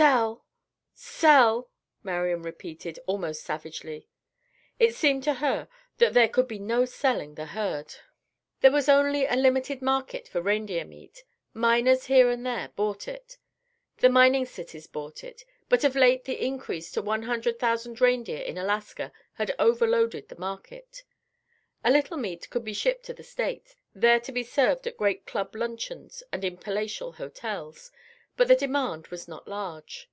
"Sell! Sell!" Marian repeated, almost savagely. It seemed to her that there could be no selling the herd. There was only a limited market for reindeer meat. Miners here and there bought it. The mining cities bought it, but of late the increase to one hundred thousand reindeer in Alaska had overloaded the market. A little meat could be shipped to the States, there to be served at great club luncheons and in palatial hotels, but the demand was not large.